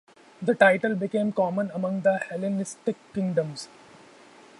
The title became common among the Hellenistic kingdoms.